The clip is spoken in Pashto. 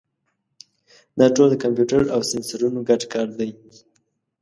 دا ټول د کمپیوټر او سینسرونو ګډ کار دی.